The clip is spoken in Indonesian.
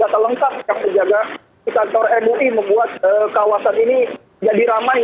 data lengkap yang menjaga kisah tor mui membuat kawasan ini jadi ramai